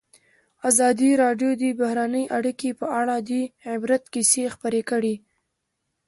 ازادي راډیو د بهرنۍ اړیکې په اړه د عبرت کیسې خبر کړي.